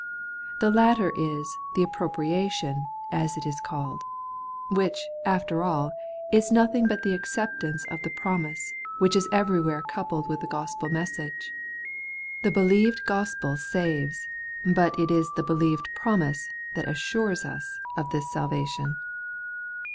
The latter is the ' appropriation; as it is caUed ; which, after all, is nothing but the acceptance of the promise which is everywhere coupled with the gospel message. The believed gospel saves; but it is the believed promise that assures us of this salvation.